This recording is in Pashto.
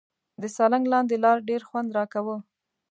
د سالنګ لاندې لار ډېر خوند راکاوه.